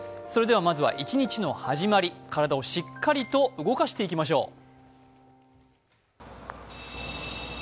まずは一日の始まり、体をしっかりと動かしていきましょう。